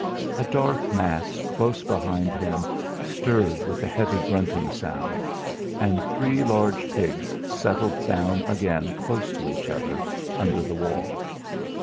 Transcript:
A black mass close behind him stirred with a heavy grunting sound, and three large pigs settled down again close to each other, under the wall.